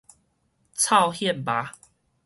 臭羶猫